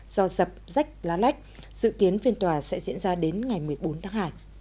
do dập rách lá lách dự kiến phiên tòa sẽ diễn ra đến ngày một mươi bốn tháng hai